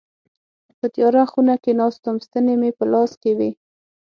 په تياره خونه کي ناست وم ستني مي په لاس کي وي.